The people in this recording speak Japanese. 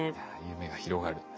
夢が広がる。